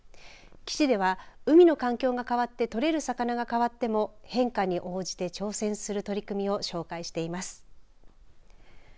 記事では海の環境が変わって取れる魚が変わっても変化に応じて挑戦する取り組みを紹介しています。